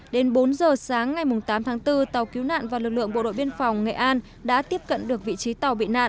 đến bốn giờ sáng ngày tám tháng bốn tàu cứu nạn và lực lượng bộ đội biên phòng nghệ an đã tiếp cận được vị trí tàu bị nạn